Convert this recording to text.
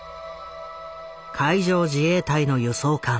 海上自衛隊の輸送艦。